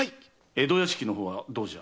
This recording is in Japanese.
江戸屋敷の方はどうじゃ？